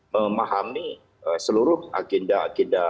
memahami seluruh agenda